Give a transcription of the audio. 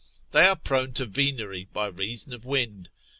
They are prone to venery by reason of wind.